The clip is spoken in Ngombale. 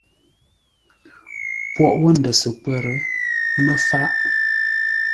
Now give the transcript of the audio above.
Pwoghʼ wó ndə̂ səkwə̂r mə́ fáʼ.